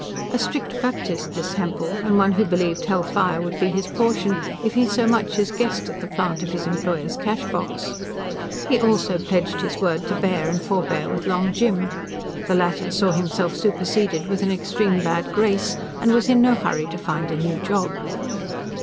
A strict Baptist this Hempel, and one who believed hell fire would be his portion if he so much as guessed at the "plant" of his employer's cash box. He also pledged his word to bear and forbear with Long Jim. The latter saw himself superseded with an extreme bad grace, and was in no hurry to find a new job.